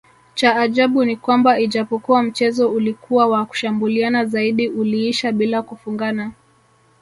Cha ajabu ni kwamba ijapokua mchezo ulikua wa kushambuliana zaidi uliisha bila kufungana